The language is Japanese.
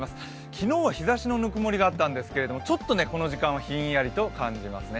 昨日は日ざしのぬくもりがあったんですけどちょっとこの時間は、ひんやりと感じますね。